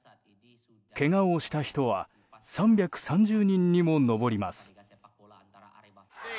けがをしたのは３３０人にも上ります。